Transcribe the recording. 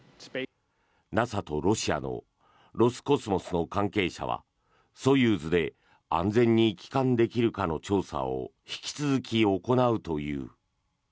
ＮＡＳＡとロシアのロスコスモスの関係者はソユーズで安全に帰還できるかの調査を引き続き行うという。